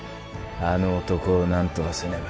あの男をなんとかせねば。